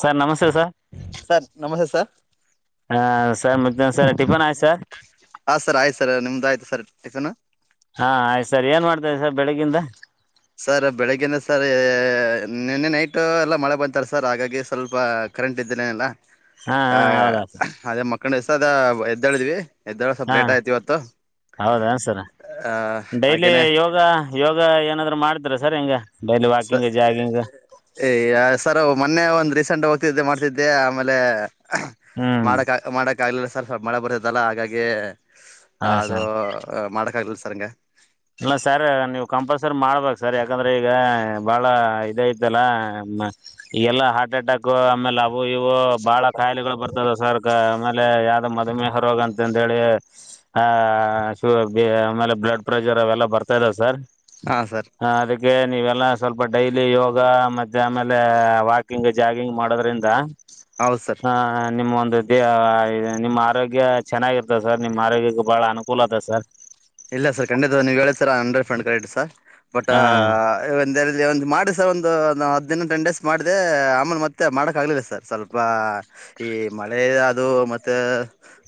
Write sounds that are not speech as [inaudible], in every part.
Sir ನಮಸ್ತೆ sir. Sir ನಮಸ್ತೆ sir. ಹಾ ಸರ್ ಮತ್ತ್ ಸರ್ ಟಿಫನ್ ಆಯ್ತ್ ಸರ್. ಹಾ ಸರ್ ಆಯ್ತು ಸರ್ ನಿಮ್ದಾಯ್ತು ಸರ್ ಟಿಫಿನ್. ಹಾ ಆಯ್ತು ಸರ್ ಏನ್ ಮಾಡ್ತಾ ಇದೀರಿ ಸರ್ ಬೆಳಿಗಿಂದ. ಸರ್ ಬೆಳಗ್ಗೆ ಇಂದ ಸರ್ ನಿನ್ನೆ ನೈಟು ಎಲ್ಲ ಮಳೆ ಬಂತಲ್ಲ ಸರ್ ಹಾಗಾಗಿ ಸ್ವಲ್ಪ ಕರೆಂಟ್ ಇದ್ದರೇನಿಲ್ಲ ಹಾ ಆ ಹಾ ಹೌದಾ ಸರ್ ಅದೇ ಮಕ್ಕಂಡಿದ್ದೆ ಸರ್ ಅದ ಎದ್ದೇಳಿದ್ವಿ. ಹಾ ಹೌದಾ ಸರ ಆ ಡೈಲಿ ಹಾಗೇನೆ ಯೋಗ ಯೋಗ ಏನಾದ್ರು ಮಾಡ್ತೀರಾ ಸರ್ ಹೆಂಗ ಡೈಲಿ ವಾಕಿಂಗ್ ಜಾಗಿಂಗ್. ಏ ಸರ್ ಮೊನ್ನೆ ಒಂದ್ ರೀಸೆಂಟ್ ಹೋಗ್ತಿದ್ದೆ ಮಾಡ್ತಿದ್ದೆ ಆಮೇಲೆ ಹ್ಮ್ ಮಾಡಕ್ ಮಾಡಕ್ ಆಗ್ಲಿಲ್ಲ ಸ್ವಲ್ಪ ಮಳೆ ಬರ್ತೈತಲ್ಲ ಹಾಗಾಗಿ ಹಾ ಅದು ಸರ್ ಮಾಡೋಕ್ಕಾಗಲಿಲ್ಲ ಸರ್ ಹಂಗೆ. ಇಲ್ಲ ಸರ್ ನೀವು ಕಂಪಲ್ಸರಿ ಮಾಡ್ಬೇಕು ಸರ್ ಯಾಕಂದ್ರೆ ಈಗ ಬಾಳ ಇದ ಐತಲ್ಲ ಮ್ ಈಗೆಲ್ಲ ಹಾರ್ಟ್ ಅಟ್ಯಾಕ್ ಆಮೇಲೆ ಅವು ಇವು ಬಹಳ ಖಾಯಿಲೆಗಳು ಬರ್ತದ ಸರ್. ಆಮೇಲೆ ಯಾವ್ದ್ ಮಧುಮೇಹ ರೋಗ ಅಂತಂದ ಹೇಳಿ. ಆ ಸು ಬಿ ಆಮೇಲೆ ಬ್ಲಡ್ ಪ್ರೆಷರ್ ಅವೆಲ್ಲಾ ಬರ್ತಾ ಇದ್ದಾವೆ ಸರ್ ಹಾ ಸರ್ ಆ ಅದ್ ಕ್ಕೆ ನೀವೆಲ್ಲ ಸ್ವಲ್ಪ ಡೈಲಿ ಯೋಗ ಮತ್ತೆ ಆಮೇಲೆ ವಾಕಿಂಗ್ ಜಾಗಿಂಗ್ ಮಾಡೋದ್ರಿಂದ ಹೌದ್ ಸರ್. ಹ ನಿಮ್ಮ ಒಂದು ದ ನಿಮ್ಮ ಆರೋಗ್ಯ ಚೆನ್ನಾಗಿರ್ತ ಸರ್ ನಿಮ್ಮ ಆರೋಗ್ಯಕ್ಕೆ ಬಹಳ ಅನುಕೂಲ ಅದ ಸರ್ ಇಲ್ಲ ಸರ್ ಖಂಡಿತ ನೀವು್ ಹೇಳ ಸರ hundred percent refund correct sir but ಹ ಒಂದು ಎರಲ್ಲಿ ಒಂದು ಮಾಡಿ ಸರ್ ಒಂದು ಹತ್ತು ದಿನ ಟೆನ್ ಡೇಸ್ ಮಾಡಿದೆ ಆಮೇಲೆ ಮತ್ತೆ ಮಾಡೋಕ್ಕಾಗಲಿಲ್ಲ ಸರ್ ಸ್ವಲ್ಪ ಈ ಮಳೆ ಅದು ಮತ್ತೆ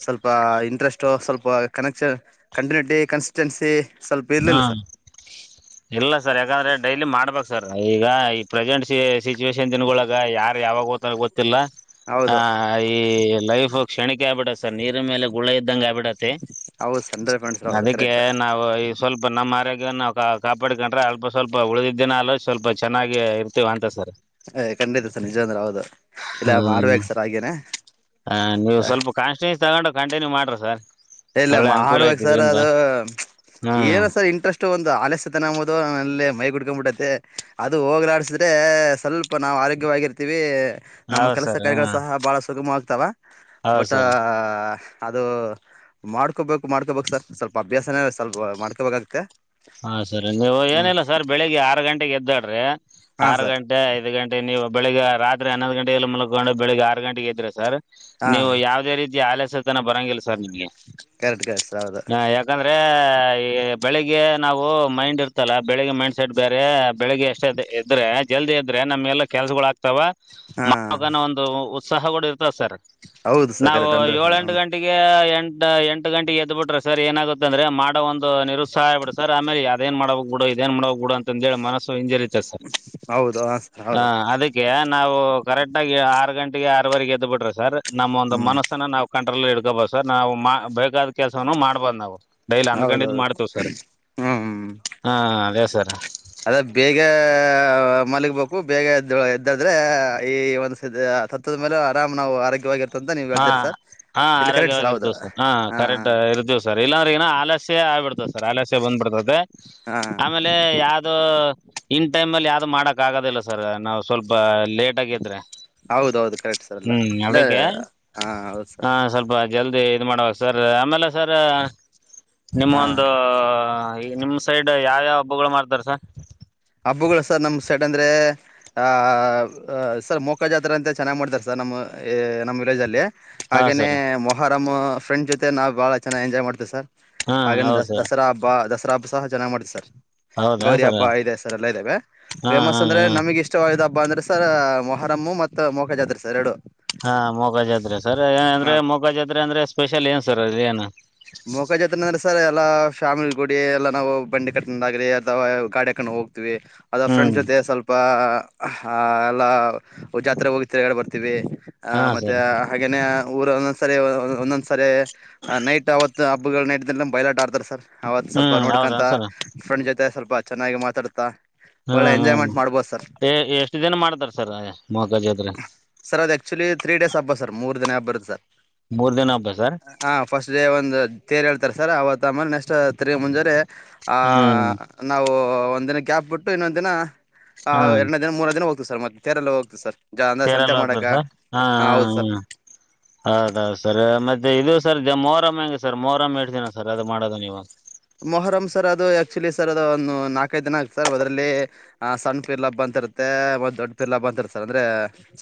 ಸ್ವಲ್ಪ ಇಂಟ್ರೆಸ್ಟ್ ಎ್ಟೋ ಸ್ವಲ್ಪ ಕನೆಕ್ಷನ್ ಕಂಟಿನ್ಯೂಟಿ ಕನ್ಸಿಸ್ಟೆನ್ಸಿ ಸ್ವಲ್ಪ ಹಾ ಇರಲಿಲ್ಲ ಸರ್ ಇಲ್ಲ ಸರ್ ಯಾಕಂದ್ರೆ ಡೈಲಿ ಮಾಡ್ಬೇಕಕ್ ಸರ್ ಈಗ ಈ ಪ್ರೆಸೆಂಟ್ ಸಿಚುವೇೇಶನ್ ದಿನ್ಗಳೊಳಗ ಯಾರ್ ಯಾವಾಗ [unintelligible] ಗೊತ್ತಿಲ್ಲ ಹ ಹೌದು ಈ ಲೈಫ್ ಕ್ಷಣಿಕ ಆಗ್ಬಿಡ ಸರ್ ನೀರ್ ಮೇಲೆ ಗುಳ ಇದ್ದಂಗಗೆ ಆಬಿಟ್ಟ ಹೌದು ಸರ್ ಹಂಡ್ರೆಡ್ ಪರ್ಸೆಂಟ್ ಸರ್ ಹೌದು ಅದಕ್ಕೆ ಕರೆಕ್ಟ್ ನಾವು ಸ್ವಲ್ಪ ನಮ್ಮ ಆರೋಗ್ಯವನ್ನು ಕಾಪಾಡಿಕೊಂಡ್ರೆ ಅಲ್ಪ ಸ್ವಲ್ಪ ಉಳಿದಿದ್ದಿನ ಅಲ್ಲೂ ಸ್ವಲ್ಪ ಚೆನ್ನಾಗಿ ಇರ್ತೀವ ಅಂತ ಸರ್ ಯ್ ಖಂಡಿತ ಸರ್ ನಿಜ ಅಂದ್ರೆ ಹೌದು ಇಲ್ಲ ಹ್ಮ್ ಮಾಡ್ಬೇಕು ಸರ್ ಹಾಗೇನೆ ಆ, ಹ ನೀವು ಸ್ವಲ್ಪ ಕಾನ್ಸ್ಟಿನ್ಯೂಸ್ ತಗೊಂಡು ಕಂಟಿನ್ಯೂ ಮಾಡ್ರಿ ಸರ್ ಇಲ್ಲ ಒಳ್ಳೆ ಅನುಕೂಲ ಮಾಡ್ಬೇಕು ಐತಿ ಸರ್ ಇದ್ರಿಂದ ಅದು ಹ್ಮ್ ಏನು ಸರ್ ಇಂಟ್ರೆಸ್ಟ್ ಅಷ್ಟು ಒಂದು ಆಲ್ಯಸೆತನಂಬೋದು ಅಲೆ ಮೈ ಬುಡ್ಕೊಂಡ್ಬಿಡೈತೆ ಅದು ಹೋಗಲಾಡ್ಸಿದ್ರೆ ಸ್ವಲ್ಪ ನಾವು ಆರೋಗ್ಯವಾಗಿರ್ತೀವಿ ನಮ್ಮ ಹೌದ್ ಕೆಲಸ ಸರ್ ಕಾರ್ಯಗಳು ಹ ಸಹ ಬಹಳ ಸುಗಮವಗ್ತಾವ ಹೌದ್ ಬಟ್ ಸರ್ ಅದು ಮಾಡ್ಕೋಬೇಕು ಮಾಡ್ಕೋಬೇಕು ಸರ್ ಸ್ವಲ್ಪ ಅಭ್ಯಾಸನೇ ಸ್ವಲ್ಪ ಮಾಡ್ಕೋಬೇಕಾಗತ್ತೆ. ಹಾ ಸರಿ ನೀವು ಏನಿಲ್ಲ ಸರ್ ಬೆಳಿಗ್ಗೆ ಆರು ಗಂಟೆಗೆ ಎದ್ದಾಡ್ರಿ ಹಾ ಆರು ಸರ್ ಗಂಟೆ ಗಂ ಐದು ಗಟೆ ನೀವು ಬೆಳಿಗ್ ರಾತ್ರಿ ಹನ್ನೊಂದು ಗಂಟೆಗೆಲ್ಲ ಮಲ್ಕೊಂಡು ಬೆಳಿಗ್ಗೆ ಆರು ಗಂಟೆಗೆ ಎದ್ರೆ ಸರ್ ಹಾ ನೀವು ಯಾವದೇ ರೀತಿ ಆಲಸತನ ಬರಂಗಿಲ್ಲ ಸರ್ ನಿಮ್ಗೆ ಕರೆಕ್ಟ್ ಕರೆಕ್ಟ್ ಸರ್ ಹೌದು ಹ ಯಾ ಯಾಕಂದ್ರೆ ಈ ಬೆಳಿಗ್ಗೆ ನಾವು ಮೈಂಡ್ ಇರ್ತಲ್ಲ ಬೆಳಿಗ್ಗೆ ಮೈಂಡ್ ಸೈಡ್ ಬೇರೆ ಬೆಳಗ್ಗೆ ಎಷ್ಟ ದ್ ಎದ್ರೆ ಜಲ್ದಿ ಇದ್ರೆ ನಮ್ಗೆಲ್ಲ ಕೆಲ್ಸಗಳಾಗ್ತದೆ ತವ ಹಾ [unintelligible] ಒಂದು ಉತ್ಸಾಹ ಗುಡ ಇರ್ತದ ಸರ್ ಹೌದು ಸರ್ ನಾವು ಕರೆಕ್ಟ್ ಹಂಡ್ರೆಡ್ ಏಳೆಂಟು ಪರ್ಸೆಂಟ್ ಗಂಟೆ ಎಂಟ ಎಂಟು ಗಂಟೆಗೆ ಎದ್ಬಿಟ್ರೆ ಸರ್ ಏನಾಗುತ್ತೆಂದ್ರೆ ಮಾಡೋ ಒಂದು ನಿರುತ್ಸಾಹ ಆಗಿಬಿಡ ಸರ್ ಆಮೇಲೆ ಅದಏನು ಮಾಡಬಕ್ ಬುಡು ಇದೇನು ಮಾಡ್ಬಕ್ ಅಂತ ಒಂದ್ವೇಳೆ ಮನಸ್ಸು ಇಂಜರಿ [unintelligible] ಹೌದು ಸರ್ ಹಾ ಹೌದು ಅದಿಕ್ಕೆ ನಾವು ಕರೆಕ್ಟ್ ಆಗಿ ಆರು ಗಂಟೆಗೆ ಆರವರೆಗೆ ಎದ್ ಬಿಟ್ರಿ ಸರ್ ನಮ್ಮ ಒಂದು ಹ್ಮ್ ಮನಸ್ಸನ ನಾವು ಕಂಟ್ರೋಲ್ ಹಿಡ್ಕೋಬೋದು ಸರ್ ನಾವು ಮ ಬೇಕಾದ ಕೆಲಸವನು ಮಾಡ್ಬಹದು ನಾವು ಡೈಲಿ ಅಂದ್ಕಂಡಿದ್ದು ಮಾಡ್ತೀವಿ ಸರ್ ಹ್ಮ್ ಹ್ಮ್ ಹಾ ಹಾ ಅದೇ ಸರ್ ಅದ ಬೇಗ ಮಲಗ್ಬೇಕು ಬೇಗ ಎದ್ದ ಎದ್ದಾದ್ರೆ ಈ ಒಂದಸದ ಮೇಲೆ ಆರಾಮ ನಾವು ಆರೋಗ್ಯವಾಗಿರ್ ಹಾ ಹಾ ಹೌದು ಆರೋಗ್ಯವಾಗಿರ್ತಸ ಹಾ ಕರೆಕ್ಟ್ ಇರ್ದಿ ಸರ್ ಇಲ್ಲಂದ್ರೆಗನ ಆಲಸ್ಯ ಆಗ್ಬಿಡ್ತದೆ ಸರ್ ಆಲಸ್ಯ ಬಂದಬಿಡ್ತದೆ. ಹಾ ಯಾವದು ಇನ್ ಟೈಮ್ ಅಲ್ಲಿ ಯಾವ್ದು ಮಾಡಕ್ ಆಗೋದಿಲ್ಲ ಸರ್ ನಾವ್ ಸ್ವಲ್ಪ ಲೇಟ್ ಆಗೆದ್ರೆ ಹೌದೌದು ಕರೆಕ್ಟ್ ಸರ್ ಅಲ್ಲ ಇಲ್ಲ ಹ ಹೌದು ಸರ್ ಹಾ ಸ್ವಲ್ಪ ಜಲ್ದಿ ಇದು ಮಾಡುವಕ್ ಸರ್ ಆಮೇಲೆ ಸರ್ ಹಾ ನಿಮ್ಮೊಂದು ನಿಮ ಸೈಡ್ ಯಾವ್ಯಾವ ಹಬ್ಬಗಳು ಮಾಡ್ತಾರ ಸ ಹಬ್ಬುಗಳು ಸರ್ ನಮ್ ಸೈಟ್ ಅಂದ್ರೆ ಆ ಸರ್ ಮೊಕ ಜಾತ್ರೆ ಅಂತ ಚೆನ್ನಾಗಿ್ ಮಾಡ್ತಾರೆ ಸರ್ ನಮ್ಮ ನಮ್ಮ್ ವಿಲೇಜ್ ಅಲ್ಲಿ ಹಾ ಹಾಗೇನೇ ಸರ್ ಮೊಹರಂ್ ಫ್ರೆಂಡ್ ಜೊತೆ ನಾವ್ ಬಾಳ ಚೆನ್ನಾಗಿ ಎಂಜಾಯ್ ಮಾಡ್ತೇವೆ ಸರ್ ಹಾ ಹಾಗನ ದ ಹೌದು ಸರ್ ದಸರಾ ಹಬ್ಬ ದಸರಾ ಹಬ್ಬ ಸಹ ಚನಾಗ್ ಮಾಡತಿ ಸರ್ ಹೌದಾ ಗೌರಿ ಸರ್ ಹಬ್ಬ ಹಾ ಇದೆ ಲ್ಲ ಇದಾವ ಫೇಮಸ್ ಹಾ ಅಂದ್ರೆ ಹಾ ನಮ ಈಗ ಇಷ್ಟವಿದ್ದ ಹಬ್ಬ ಅಂದ್ರೆ ಸರ್ ಮೊಹರಮ್ಮು ಮತ್ತು ಮೊಕಜಾತ್ರ ಅ ಆದ್ರೆ ಸರ್ ಎರಡು ಹಾ ಮೊಗ ಜಾತ್ರೆ ಸರ್ ಹಾ ಅಂದ್ರೆ ಮೊಗ ಜಾತ್ರೆ ಅಂದ್ರೆ ಸ್ಪೆಷಲ್ ಏನ್ ಸರ್ ಅದೇನು [unintelligible] ಜಾತ್ರೆ ತ ಅಂದ್ರೆ ಸರ್ ಎಲ್ಲಾ ಫ್ಯಾಮಿಲಿ ಗೂಡಿ ಎಲ್ಲಾ ನಾವು ಬಂಡಿ ಕಟ್ಟ ಆಗ್ರಿ ಅಥವಾ ಗಾಡಿ ಹಾಕೊಂಡು ಹೋಗ್ತಿವಿ ಅದು ಫ್ರೆಂಡ್ಸ್ ಹ್ಮ್ ಜೊತೆ ಸ್ವಲ್ಪ ಎಲ್ಲ ಜಾತ್ರೆ ಹೋಗಿ ತಿರ್ಗಾಡೆ ಬರ್ತೀವಿ ಆ ಹಾ ಮತ್ತೆ ಸರ್ ಹಾಗೇನೆ ಊರ ಒಂದೊಂದ್ಸರಿ ಒಂದೊಂದ್ಸರಿ ನೈಟ್ ಅವತ್ ಹಬ್ಬಗಳ ನೈಟ್ ಬೈಲಾಟ ಆಡ್ತಾರೆ ಸರ್ ಅವತ್ ಸ್ವಲ್ಪ ಹ್ಮ್ ಹೌದಾ ನೋಡ್ಕೊಂತ ಸರ್ ಫ್ರೆಂಡ್ ಜೊತೆ ಸ್ವಲ್ಪ ಚೆನ್ನಾಗಿ ಮಾತಾಡ್ತಾ ಹಾ ಒಳ್ಳೆ ಹಾ ಎಂಜಾಯ್ಮೆಂಟ್ ಮಾಡ್ಬೋದು ಸರ್ ಎಷ್ಟು ದಿನ ಮಾಡ್ತಾರೆ ಸರ್ ಮೊಕಜಾತ್ರೆ ಸರ್ ಅದು ಆಕ್ಚುಲಿ ತ್ರೀ ಡೇಸ್ ಹಬ್ಬ ಸರ್ ಮೂರು ದಿನ ಹಬ್ಬ ಇರುದು ಸರ್ ಮೂರ್ ದಿನ ಹಬ್ಬ ಸರ್ ಹಾ ಫಸ್ಟ್ ಡೇ ಒಂದು ತೇರು ಎಳ್ತಾರೆ ಸರ್ ಆವತ್ತ ಮೇಲೆ ನೆಕ್ಸ್ಟ್ ತಿರ್ಗಿ ಮುಂಜಾರೆ ಹ್ಮ್ ನಾವು ಒಂದ ದಿನ ಕ್ಯಾಪ್ ಬಿಟ್ಟು ಇನ್ನೊಂದ್ ದಿನ ಹಾ ಎರಡನೇ ದಿನ ಮೂರೇ ದಿನ ಹೋಗ್ತವಿ ದು ಸರ್ ಮತ್ತೆೇರೆಲ್ಲ ಹೋಗತೀವ ಸರ್ ಅಂದ್ರೆ ಸಂತೆ ಸೇರೆಲ್ಲ ಹೋಗಬ್ರ ಮಾಡಕ ಸ ಹಾ ಹಾ ಹೌದು ಸರ್ ಹ್ಮ ಹೌದೌದು ಸರ್ ಮತ್ತೆ ಇದು ಸರ್ ಮೋರಮ್ಮ ಹೆಂಗೆ ಸರ್ ಮೋರಮ್ಮ ಎಡ್ತ ದಿನ ಸರ್ ಅದು ಮಾಡೋದು ನೀವು ಮೊಹರಂ ಸರ್ ಅದು ಆಕ್ಚುಲಿ ಸರ್ ಅದು ಒಂದು ನಾಲ್ಕೈದು ದಿನ ಆಗ್ತ ಸರ್ ಅದರಲ್ಲಿ ಆ ಸಣ್ಣ ಪಿರ್ಲಬ್ ಬಂತಿರುತ್ತೆ ಮತ್ತ್ ದೊಡ್ ಪರ್ಲಬ್ ಬಂತಿರುತ್ತರ್ ಅಂದ್ರೆ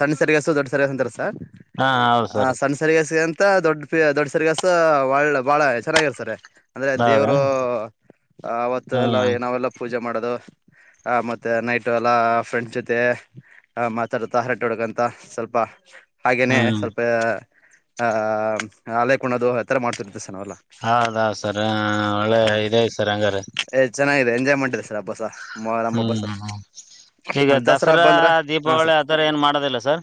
ಸಣ್ಣ ಸರಿಗಸು ದೊಡ್ಡ ಸರಿಯ ಅಂತಾರ ಸರ್ ಹಾ ಹೌದು ಸರ್ ಸಣ್ಣ ಸರಿಗಸ್ಗ ಅಂತ ದೊಡ್ಡ ಪ ದೊಡ್ಡ ಸರಿಗಾಸಸ್ ಒಳ್ಳ ಬಾಳ ಚೆನ್ನಾಗಿರ್ತಾರೆ ಅಂದ್ರೆ ಹೌದಾ ದೇವರು ಅವತ್ತ ಎಲ್ಲಾ ಏ ಹ್ಮ್ ನಾವೆಲ್ಲ ಪೂಜೆ ಮಾಡೋದು ಆ ಮತ್ತೆ ನೈಟ್ ಎಲ್ಲಾ ಫ್ರೆಂಡ್ಸ್ ಜೊತೆ ಹ ಮಾತಾಡುತ್ತಾ ಹರಟೇ ಹೊಡುಗಂತ ಸ್ವಲ್ಪ ಹಾಗೇನೆ ಹ್ಮ್ ಸ್ವಲ್ಪ ಆಹ ಅಲೆ ಕುಣೋದು ಆತರ ಮಾಡತಿರತ್ತಿ ಸರ್ ನಾವೆಲ್ಲ ಹೌದ್ ಸರ್ ಒಳ್ಳೆ ಹ ಇದೇ ಸರ್ ಹಂಗಾರ ಏ ಚೆನ್ನಾಗಿದೆ ಎಂಜಾಯ್ ಮೆಟ್ ಸರ್ ಹಬ್ಬ ಸರ್ ನಮ್ಮ ಹಬ್ಬ ಹ್ಮ್ ಸರ್ ಹ್ಮ್ ಈಗ ದಸರಾ ಹಬ್ಬ ಅಂದ್ರೆ ಹಾ ಸರ್ ದೀಪಾವಳಿ ಆಥರ ಏನು ಮಾಡೋದಿಲ್ಲ ಸರ್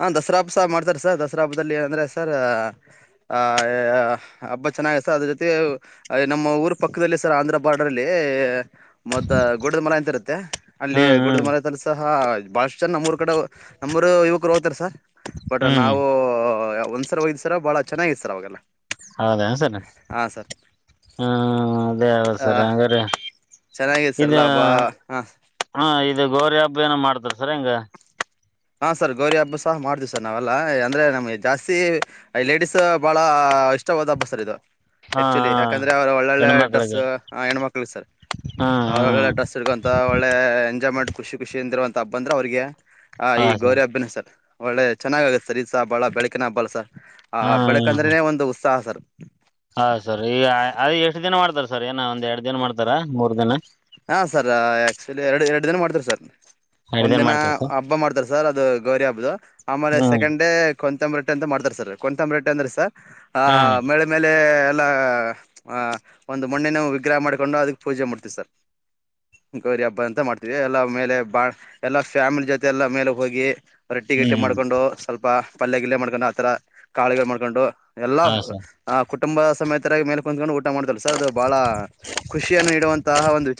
ಹಾ ದಸರಾ ಹಬ್ಸಹ ಮಾಡ್ತಾರೆ ಸರ್ ದಸರಾಬ್ಬದಲ್ಲಿ ಅಂದ್ರೆ ಸರ್ ಆಹ ಹಬ್ಬ ಚೆನ್ನಾಗತ ಅದ್ರ ಜೊತೆ ನಮ್ಮ ಊರ ಪಕ್ಕದಲ್ಲಿ ಸರ್ ಆಂಧ್ರ ಬಾರ್ಡರ್ ಅಲ್ಲಿ ಮದ್ದ ಗುಡ್ಡದ ಮರ ಅಂತ ಇರುತ್ತೆ ಅಲ್ಲಿ ಹ್ಮ್ ಗುಡಿದ ಹ್ಮ್ ಮರತಸರ್ ಬಹಳಷ್ಟ್ ಜನ ನಮ್ಮೂರ್ ಕಡೆ ನಮ್ಮೂರು ಯುವಕರು ಹೋಗ್ತಾರ ಸರ್ ಬಟ್ ಹ್ಮ್ ನಾವು ಒಂದ್ಸರ ಹೋಗಿದ್ದೇವೆ ಒಂದರ ಬಾಳ ಚೆನ್ನಾಗ್ ಸರ್ ಅವಾಗೆಲ್ಲ ಹೌದಾ ಸರ್ ಹಾ ಸರ್ ಹ ಅದೇ ಆ ಸರ್ ಹಾಗಂದ್ರೆ ಚೆನ್ನಾಗಿದೆ ಸರ್ ಇದ ಎಲ್ಲ ಹಬ್ಬ ಹಾ ಹಾ ಇದು ಗೌರಿ ಹಬ್ಬ ಏನ ಮಾಡ್ತಾರ ಸರ್ ಹಂಗ ಹಾ ಸರ್ ಗೌರಿ ಹಬ್ಬ ಸಹ ಮಾಡ್ತೀವಿ ಸರ್ ನಾವೆಲ್ಲ ಅಂದ್ರೆ ನಮಗೆ ಜಾಸ್ತಿ ಲೇಡಿಸ್ ಬಹಳ ಇಷ್ಟವಾದ ಹಬ್ಬ ಸರ್ ಇದು ಹಾ ಆಕ್ಚುಲಿ ಹಾ ಯಾಕಂದ್ರೆ ಅವ್ರರು ಒಳ್ಳೊಳ್ಳೆ ಡ್ರೆಸ್ ಹೆಣ್ಮಕ್ಳಿಗೆ ಹೆಣ್ಮಕ್ಳಿಗೆ ಸರ್ ಹ್ಮ್ ಅವರು ಒಳ್ಳೊಳ್ಳೆ ಹ್ಮ್ ಡ್ರೆಸ್ ಸಗಂತ ಒಳ್ಳೆಯ ಎಜಾಯ್ಮೆಂಟ್ ಖುಷಿ ಖಷಿಯಿಂದಿರುವಂಥ ಹಬ್ಬಂದರೇ ಅವ್ರಿಗೆ ಹ ಈ ಗೌರಿ ಹಬ್ಬನ ಸರ್ ಒಳ್ಳೆ ಚೆನ್ನಾಗುತ್ತೆ ಸರ್ ಈಸ ಹಬ್ಬಳ ಬೆಳಕಿನ ಹಬ್ಬಾಳ ಸರ್ ಆ ಹ್ಮ್ ಬೆಳಕಂದ್ರೆನೆ ಒಂದು ಉತ್ಸಾಹ ಸರ್ ಹಾ ಸರ್ ಈಗ ಅದ ಎಷ್ಟು ದಿನ ಮಾಡ್ತಾರ ಸರ್ ಏನ ಒಂದ್ ಎರಡು ದಿನ ಮಾಡ್ತಾರ ಮೂರ್ ದಿನ ಹಾ ಸರ್ ಆಕ್ಚುಲಿ ಎರಡು ಎರಡು ದಿನ ಮಾಡ್ತರಿ ಸರ್ ಎರಡ್ ಒಂದ ದಿನ ಮಾಡ್ತಾರ ಸರ್ ಹಬ್ಬ ಮಾಡ್ತಾರ ಸರ್ ಅದು ಗೌರಿ ಹಬ್ಬದ ಆಮೇಲೆ ಹ್ಮ್ ಸೆಕೆಂಡ್ ಡೇ ಕೊಂತಂಬ ರೇಟ್ಟೆ ಅಂತ ಮಾಡ್ತಾರೆ ಸರ್ ಕೊಂತಂಬ ರೇೆ ಅಂದ್ರೆ ಸರ್ ಆ ಹ್ಮ್ ಮಳ ಆಮೇಲೆ ಎಲ್ಲಾ ಒಂದು ಮಣ್ಣಿನ ವಿಗ್ರಹ ಮಾಡ್ಕೊಂಡು ಅದಕ್ಕೆ ಪೂಜೆ ಮಾಡ್ತೀವಿ ಸರ್. ಗೌರಿ ಹಬ್ಬ ಅಂತ ಮಾಡ್ತೀವಿ ಎಲ್ಲಾ ಮೇಲೆ ಬಾ ಎಲ್ಲಾ ಫ್ಯಾಮಿಲಿ ಜೊತೆ ಎಲ್ಲಾ ಮೇಲೆ ಹೋಗಿ. ರೊಟ್ಟಿ ಗಿಟ್ಟಿ ಹ್ಮ್ ಮಾಡ್ಕೊಂಡು ಸ್ವಲ್ಪ ಪಲ್ಯ ಗಿಲ್ಯ ಮಾಡ್ಕೊಂಡು ಆತರ ಕಾಳುಗಳು ಮಾಡ್ಕೊಂಡು ಎಲ್ಲಾ ಹಾ ಸರ್ ಆ ಕುಟುಂಬ ಸಮೇತರಾಗಿ ಮೇಲೆ ಕುತ್ಕೊಂಡು ಊಟ ಮಾಡ್ತೀವ್ ಸರ್ ಅದು ಬಹಳ ಖುಷಿಯನ್ನು ನೀಡುವಂತಹ ಒಂದ್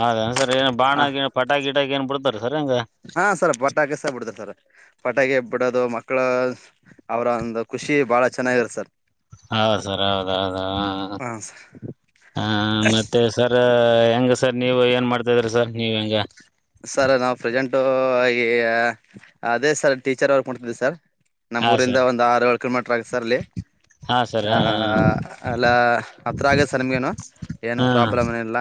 ಹ ಹಂಗರೆ ಬಾಣಾಗಿ ಪಟಾಕಿ ಗಿಟಾಕಿ ಏನ್ ಬುಡ್ತಾರ ಸರ್ ಹೆಂಗ ಹಾ ಸರ್ ಪಟಾಕಿ ಸ ಬಿಡತ್ತಾರ್ ಸರ್ ಪಟಾಕಿ ಬಿಡೋದು ಮಕ್ಕಳು. ಅವರ ಒಂದು ಖುಷಿ ಬಾಳ ಚೆನ್ನಾಗಿರುತ್ತ್ ಸರ್ ಹೌದ ಸರ್ ಹೌದೌದು ಹ ಹ ಮತ್ತು ಸರ್ ಹೆಂಗ್ ಸರ್ ನೀವು ಏನ್ ಮಾಡ್ತಾ ಇದ್ದೀರಿ ಸರ್ ನೀವು ಹೆಂಗ್ ಸರ್ ನಾವು ಪ್ರೆಸೆಂಟು ಈ ಅದೇ ಸರ್ ಟೀಚರ್ ವಾರ್ಕ್ ಮಾಡತಿದ್ದೀವಿ ಸರ್. ಹಾ ನಮ್ಮೂರಿಂದ ಸರ್ ಒಂದ್ ಆರು ಏಳೂ ಕಿಲೋಮೀಟರ್ ಆಗುತ್ತೆ ಸರ್ ಅಲ್ಲಿ. ಹಾ ಸರ್ ಹಾ ಆ ಅಲ್ಲ ಹತ್ರ ಆಗುತ್ತ ಸರ್ ನಿಮ್ಗೇನು. ಏನ್ ಹ್ಮ್ ಪ್ರಾಬ್ಲಮ್ ಇಲ್ಲ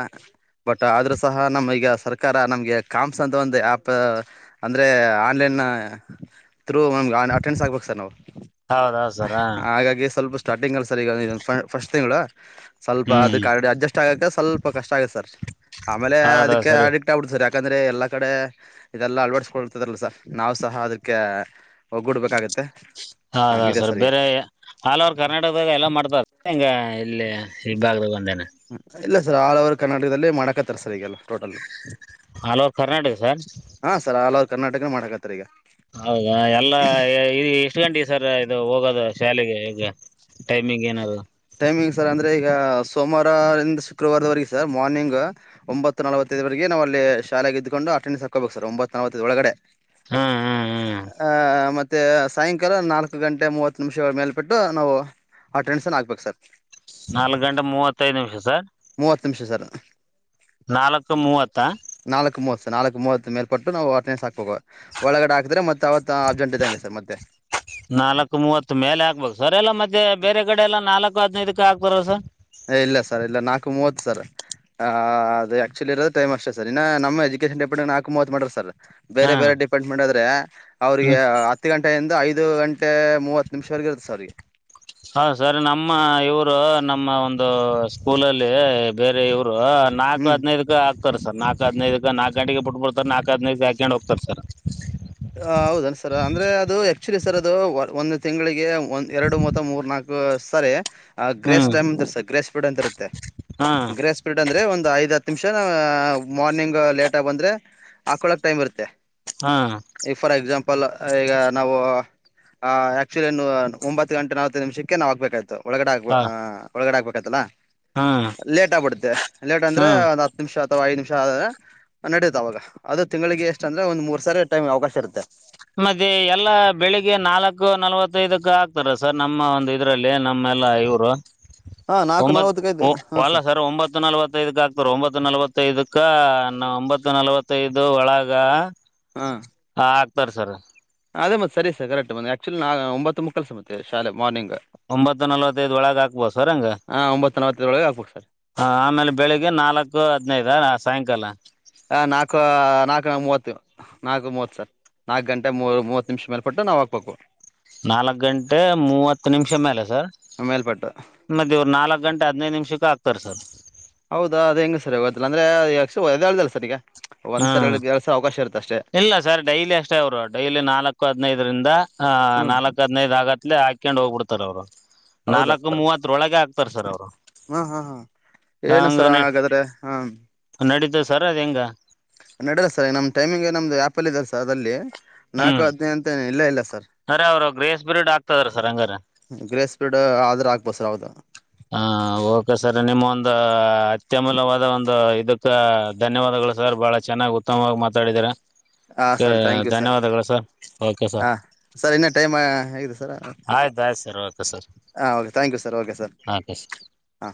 ಬಟ್ ಆದ್ರೂ ಸಹ ನಮ್ ಈಗ ಸರ್ಕಾರ ನಮಗೆ. ಕಾಮ್ಸ್ ಅಂತ ಒಂದು ಆ್ಯಪ್ ಅಂದರೆ ಆನ್ ಲೈನ್ ಥ್ರೂ ನಮಗ್ ಅಟೆಂಡಸ್ ಆಗ್ಬೇಕು ಸರ್ ನಾವು ಹೌದಾ ಸರ್ ಹಾ ಹಾಗಾಗಿ ಸ್ವಲ್ಪ್ ಸ್ಟಾರ್ಟಿಂಗ್ ಅಲ್ಲಿ ಸರ್ ಈಗ ಫಸ್ಟ್ ತಿಂಗಳಾ. ಸ್ವಲ್ಪ ಹ್ಮ್ ಅದಕ್ಕ ಅಡ್ಜಸ್ಟ್ ಆಗಕ ಸ್ವಲ್ಪ ಕಷ್ಟ ಆಗುತ್ತೆ ಸರ್ ಆಮೇಲೆ ಹೌದಾ ಅದಕ್ಕ ಸರಿ ಅಡಿಕ್ಟ್ ಆಗ್ಬಿಡತ್ತ್ ಸರ್ ಯಾಕಂದ್ರೆ ಎಲ್ಲಾ ಕಡೆ ಇದೆಲ್ಲಾ ಅಳ್ವಡಿಸಕೊರ್ತದಲ್ಲ ಸರ್ ನಾವ್ ಸಹ ಅದಕ್ಕೆ ಒಗೂಡ್ಬೇಕಾಗುತ್ತೆ. ಹೌದ ಸರ್ ಬೇರೆ ಆಲ್ ಓವರ್ ಕರ್ನಾಟಕದಾಗ ಎಲ್ಲಾ ಮಾಡ್ತಾರ್ ಸರ್ ಹೆಂಗೆ ಇಲ್ಲೇ ಈ ಭಾಗದಾಗ ಒಂದೇನಾ. ಹ್ಮ್ ಇಲ್ಲ ಸರ್ ಆಲ್ ಓವರ್ ಕರ್ನಾಕದಲ್ಲಿ ಮಾಡ್ಕತ್ತಾರೆ ಸರ್ ಈಗೆಲ್ಲ. Total all over Karnataka sir ಹಾಂ ಸರ್ ಆಲ್ ಓವರ್ ಕರ್ನಾಟಕ ಮಾಡಾಕತ್ತರ್ ಈಗ ಹೌದಾ ಎಲ್ಲಾ ಈ ಎಷ್ಟು ಗಂಟೆಗೆ ಸರ್ ಇದು ಹೋಗೋದು ಶಾಲೆಗೆ ಈಗ. ಟೈಮಿಂಗ್ ಏನಾದ್ರೂ ಟೈಮಿಂಗ್ ಸರ್ ಅಂದ್ರೆ ಈಗ ಸೋಮವಾರ ರಿಂದ ಶುಕ್ರವಾರದವರೆಗೆ ಸರ್ ಮಾರ್ನಿಂಗ್ ಒಂಬತ್ತು ನಲ್ವತ್ತೈದ್ರೆಗ್ ನಾವು ಅಲ್ಲಿ ಶಾಲೆಗೆ ಇದ್ದಕಂಡು ಅಟೆಂಡೆನ್ಸ್ ಹಾಕೋಬೇಕು ಸರ್ ಒಂಬತ್ತು ನಲವತ್ತೈದ್ ಒಳಗಡೆ. ಹ ಹ ಮತ್ತೆ ಸಾಯಂಕಾಲ ನಾಲ್ಕು ಗಂಟೆ ಮೂವತ್ತು ನಿಮಿಷ ಮೇಲ್ಪಟ್ಟು ನಾವು ಆಟೆಂಡ್ಸನ್ ಆಗ್ಬೇಕು ಸರ್. ನಾಲ್ಕು ಗಂಟೆ ಮೂವತ್ತೈದು ನಿಮಿಷ ಸರ್ ಮೂವತ್ತು ನಿಮಿಷ ಸರ್ ನಾಲ್ಕು ಮೂವತ್ತಾ ನಾಲ್ಕೂ ಮೂವತ್ತು ನಾಲ್ಕೂ ಮೂವತ್ತು ಮೇಲ್ಪಟ್ಟು ನಾವು ಅಂಟೆಡೆನ್ಸ್ ಹಾಕಬೇಕು. ಒಳಗಡೆ ಹಾಕಿದ್ರೆ ಮತ್ತೆ ಅವತ್ ಅಬ್ಸೆಂಟ್ ಇದ್ದಂಗೆ ಸರ್ ಮತ್ತೆ. ನಾಲ್ಕು ಮೂವತ್ತು ಮೇಲೆ ಹಾಕ್ಬೇಕು ಸರ್ ಎಲ್ಲಾ ಮತ್ತೆ ಬೇರೆ ಕಡೆ ಎಲ್ಲಾ ನಾಲ್ಕು ಹದಿನೈದಕ್ಕೆ ಹಾಕ್ತಾರಲ್ಲ ಸರ್ ಹೆ ಇಲ್ಲ ಸರ್ ಇಲ್ಲ ನಾಲ್ಕು ಮೂವತ್ತು ಸರ್ ಹ ಅ ಆಕ್ಚುಲಿ ಇರೋ ಟೈಮ್ ಅಷ್ಟೇ ಸರ್ ಇನ್ನು ನಮ್ಮ ಎಜುಕೇಶನ್ ಡಿಪಾರ್ಟ್ಮೆಂಟ್ ನಾಲ್ಕು ಮೂವತ್ತು ಮಾಡ್ರ್ ಸರ್. ಬೇರೆ ಹಾಂ ಬೇರೆ ಡಿಪಾರ್ಟ್ಮೆಂಟ್ ಆದ್ರೆ ಹ್ಞೂ ಅವ್ರಿಗೆ ಹತ್ ತ್ತು ಗಂಟೆಯಿಂದ ಐದು ಗಂಟೆ ಮೂವತ್ತು ನಿಮಿಷವರೆಗೆ ಇರುತ್ತೆ ಸರ್ ಅವರಿಗೆ. ಹಾ ಸರ್ ನಮ್ಮ ಇವ್ರು ನಮ್ಮ ಒಂದು ಸ್ಕೂಲಲ್ಲಿ ಬೇರೆ ಇವರು. ನಾಕು ಹ್ಮ್ ಹದಿನೈದು ಹಾಕ್ತಾರೆ ಸರ್ ನಾಕು ಹದಿನೈದು ನಾಕು ಗಂಟೆಗೆ ಬಿಟ್ಟುಬಿಡ್ತಾರ್ ನಾಕ್ ಹದಿನೈದುಕ್ಕೆ ಹಾಕ್ಕೊಂಡ್ ಹೋಗತ್ತಾರ್ ಸರ್. ಹ ಹೌದ ಸರ್ ಅಂದ್ರೆ ಅದು ಆಕ್ಚುಲಿ ಸರ್ ಅದು ಒಂದು ತಿಂಗಳಿಗೆ ಒಂದ್ ಎರಡು ಮತ್ತ್ ಮೂರ್ ನಾಕ್ ಸರಿ ಹ್ಞೂ ಗ್ರೇಸ್ ಟೈಮ್ ಅಂತ ಗ್ರೇಸ್ ಫೀಲ್ಡ್ ಅಂತ ಇರುತ್ತೆ ಹಾಂ ಗ್ರೇಸ್ ಸ್ಪಟ್ ಅಂದ್ರೆ ಒಂದು ಐದ ಹತ್ ನಿಮಿಷ ಮಾರ್ನಿಂಗ್ ಲೇಟ್ ಆಗಿ ಬಂದ್ರೆ ಹಾಕೊಳಕ್ ಟೈಮ್ ಇರುತ್ತೆ. ಹಾ ಈ ಫಾರ್ ಎಕ್ಸಾಂಪಲ್ ಈಗ ನಾವು. ಹ ಆಕ್ಚುಲಿ ಇನ್ನು ಒತ್ ಗಂಟೆ ನಾಲ್ವೈತೈದು ನಿಮಿಷಕ್ಕೆ ನಾವ್ ಆಗ್ಬೇಕಾಗಿತ್ತು. ಒಳಗಡೆ ಹಾಬೇಕ ಹಾಂ ಒಳಗಡೆ ಹಾಕ್ಬೇತ್ತಲ್ಲ ಹಾಂ ಲೇಟ್ ಆಗ್ಬಿಡುತ್ತೆ ಲೇಟ್ ಅಂದ್ರೆ ಹಾಂ ಒಂದು ಹತ್ ಹ ನಿಮಿಷ ಅಥವಾ ಐದು ನಿಮಿಷ ಆದ ನಡೆಯತ ಅವಾಗ ಅದು ತಿಂಗಳಿಗೆ ಎಷ್ಟ ಅಂದ್ರೆ ಒಂದ್ ಮೂರ್ ಸಾರಿ ಟೈಮ್ ಅವಕಾಶ. ತೀರುತ್ತೇ. ಮತ್ತೆ ಎಲ್ಲಾ ಬೆಳಿಗ್ಗೆ ನಾಲ್ಕು ನಲವತೈದಕ ಅಕ್ತಾರ ಸರ್ ನಮ್ಮ ಒಂದು ಇದು. ಇದರಲ್ಲಿ ನಮ್ಮೆಲ್ಲ ಇವರು ಹಾ ನಾಲ್ಕು ಒಂಬತ್ ನಲ್ವತ್ತಕೈದು ಹಾ ಅಲ್ಲ ಸರ್ ಒಂಬತ್ತು ನಲವೈತೈದುಕಾ ಹಾಕ್ತಾರೆ ಸರ್ ಒಂಬತ್ತು ನಲ್ವತ್ತೈದಕ್ಕನ್ನ ಒಂಬತ್ತು ನಲ್ವತ್ತೈದು ಒಳಗ. ಹಾ ಹಾ ಆಗ್ತಾರ ಸರ್. ಅದೇ ಮತ್ತೆ ಸರಿ ಸರ್ ಕರೆಕ್ಟ್ ಮ ಆಕ್ಚುಲಿ ನಾ ಒಂಬತ್ತ ಮುಕ್ಕಾಲು ಸರ್ ಮತ್ತೆ ಶಾಲೆ ಮಾರ್ನಿಂಗ್. ಒಂಬತ್ತು ನಲವತ್ತೈದ್ ಒಳಗೆ ಹಾಕ್ಬೋದು ಸರ್ ಅಂಗ. ಹಾ ಒಂಬತ್ತುತ ನಲವತ್ತೈ ದೊರಳಗ ಹಾಕಬೇಕು ಸರ್ ಅಂಗ. ಹ ಆಮೇಲೆ ಬೆಳಿಗ್ಗೆ ನಾಲ್ಕು ಹದ್ನೈದ ಸಾಯಂಕಾಲ. ಹ ನಾಕು ನಾಕು ಮೂವತ್ತು. ನಾಲ್ಕು ಮೂವತ್ ಸರ್ ನಾಲ್ಕ ಗಂಟೆ ಮೂರು ಮೂವತ್ ನಿಮಿಷ ಮೇಲೆಪಟ್ಟು ನಾವು ಹಾಕ್ಬೇಕು. ನಾಲ್ಕ್ ಗಂಟೆ ಮೂವತ್ತು ನಿಮಿಷ ಮೇಲೆ ಸರ್. ಮೇಲ್ಪಟ್ಟು ಮತ್ತೆ ಇವ್ರು ನಾಲ್ಕ ಗಂಟೆ ಹದಿನೈದು ನಿಮಿಷಕ್ಕೆ ಆಗ್ತಾರೆ ಸರ್. ಹೌದಾ ಅದ ಹೆಂಗೆ ಸರ್ ಗೊತ್ತಿಲ್ಲ ಅಂದ್ರೆ ಹೇಳ್ದಲ್ಲ ಸರ್ ಈಗ ಒಂದ್ ಹಾ ಸಲ ಎರಡ್ ಸಲ ಅವಕಾಶ ಇರುತ್ತೆ ಅಷ್ಟೇ. ಇಲ್ಲ ಸರ್ ಡೈಲಿ ಅಷ್ಟ ಅವ್ರು ಡೈಲಿ ನಾಲ್ಕು ಹದಿನೈದರಿಂದ್ ನಾಲ್ಕ್ ಹದಿನೈದು ಆಗತ್ತ ಇಲ್ಲ ಹಾಕಿಕೊಂಡು ಹೋಗಿ ಬಿಡ್ತಾರೆ ಅವ್ರು. ಹೌದಾ ನಾಲ್ಕು ಮೂವತ್ತರೊಳಗೆ ಹಾಕ್ತಾರೆ ಸರ್ ಅವರು ಏನು ಹಂಗ [unintelligible] ನಡೀತದ ಸರ್ ಅದ್ ಹೆಂಗ. ನಡಲ್ಲ ಸರ್ ಈಗ ನಮ್ಮ ಟೈಮಿಂಗ್ ನಮ್ದು ಆ್ಯಪಲ್ಲ ಇದೆ ಸರ್ ಅದಲ್ಲಿ ನಾಲ್ಕು ಹದಿನೈದು ಇಲ್ಲೆ ಇಲ್ಲ ಸರ್. ಸರಿ ಅವರು ಗ್ರೇಸ್ ಪ್ರಿಡ್ ಆಗ್ತದಾರ ಸರ್ ಹಂಗಾರ. ಗ್ರೇಸ್ ಪ್ರಿಡ್ ಆದ್ರೆ ಆಗ್ಬೋದು ಸರ್ ಹೌದು. ಹ ಓಕೆ ಸರ್ ನಿಮ್ಮೊಂದು ಅತ್ಯಮೂಲ್ಯವಾದ ಒಂದು ಇದು. ಧನ್ಯವಾದಗಳು ಸರ್ ಬಹಳ ಚೆನ್ನಾಗಿ ಉತ್ತಮವಾಗಿ ಮಾತಾಡಿದಿರ. ಹಾಂ ಓ ಸರ್ ಥ್ಯಾಂಕ್ ಯು ಸರ್ ಧನ್ಯವಾದಗಳು ಸರ್ ಓಕೆ ಸರ್. ಹಾಂ ಸರ್ ಇನ್ನ ಟೈಮ್ ಹಗಿದೆ ಸರ. ಆಯ್ತು ಆಯ್ತು sir okay sir okay sir. ಹಾ